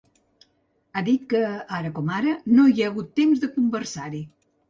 Ha dit que, ara com ara, no hi ha hagut temps de conversar-hi.